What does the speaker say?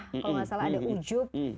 kalau nggak salah ada ujub